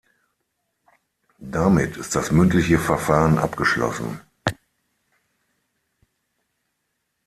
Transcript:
Damit ist das mündliche Verfahren abgeschlossen.